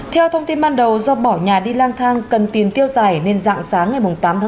theo thông tin ban đầu do bỏ nhà đi lang thang cần tiền tiêu giải nên dạng sáng ngày tám một mươi